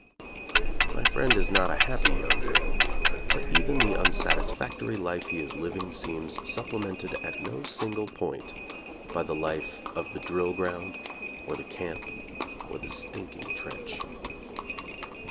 My friend is not a happy young man, but even the unsatisfactory life he is living seems supplemented at no single point by the life of the drill ground or the camp or the stinking trench.